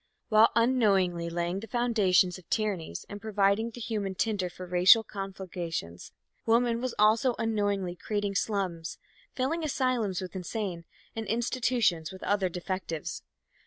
While unknowingly laying the foundations of tyrannies and providing the human tinder for racial conflagrations, woman was also unknowingly creating slums, filling asylums with insane, and institutions with other defectives.